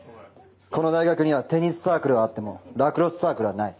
この大学にはテニスサークルはあってもラクロスサークルはない。